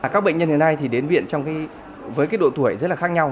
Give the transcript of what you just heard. các bệnh nhân hiện nay thì đến viện với độ tuổi rất là khác nhau